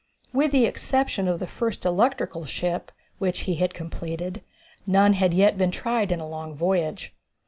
With the exception of the first electrical ship, which he had completed, none had yet been tried in a long voyage.